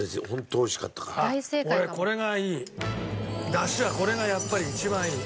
出汁はこれがやっぱり一番いい。